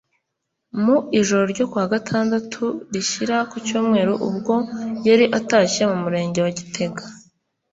Mu ijoro ryo ku wa Gatandatu rishyira ku Cyumweru ubwo yari atashye mu Murenge wa Gitega